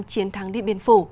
chiến thắng điện biên phủ